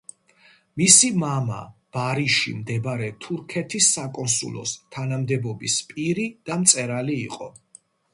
მისი მამა, ბარიში მდებარე თურქეთის საკონსულოს თანამდებობის პირი და მწერალი იყო.